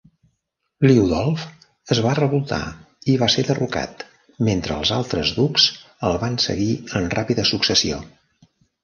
Liudolf es va revoltar i va ser derrocat, mentre que els altres ducs el van seguir en ràpida successió.